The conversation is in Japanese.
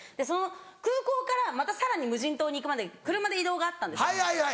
その空港からさらに無人島に行くまでに車で移動があったんです。